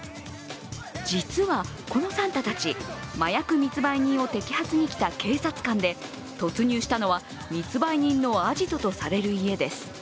実は、このサンタたち、麻薬密売人を摘発に来た警察官で突入したのは、密売人のアジトとされる家です。